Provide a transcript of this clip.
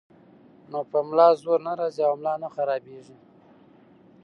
نو پۀ ملا زور نۀ راځي او ملا نۀ خرابيږي -